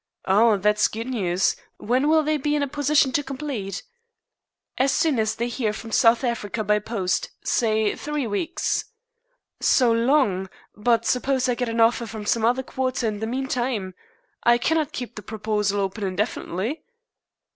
"Eh? That's good news! When will they be in a position to complete?" "As soon as they hear from South Africa by post. Say three weeks." "So long! But suppose I get an offer from some other quarter in the meantime? I cannot keep the proposal open indefinitely."